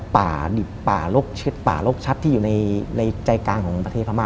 ป่าดิบป่าเช็ดป่าโรคชัดที่อยู่ในใจกลางของประเทศพม่า